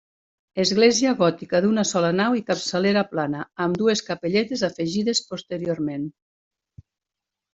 Església gòtica d'una sola nau i capçalera plana, amb dues capelletes afegides posteriorment.